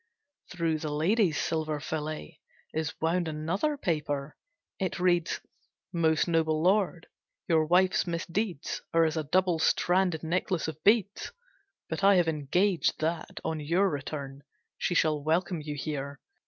Through the lady's silver fillet is wound another paper. It reads, "Most noble Lord: Your wife's misdeeds are as a double stranded necklace of beads. But I have engaged that, on your return, she shall welcome you here.